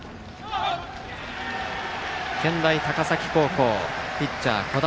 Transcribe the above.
健大高崎高校ピッチャー、小玉。